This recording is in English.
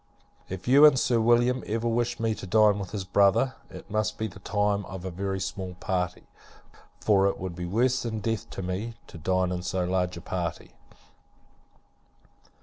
If you and Sir William ever wish me to dine with his brother, it must be the time of a very small party; for it would be worse than death to me, to dine in so large a party.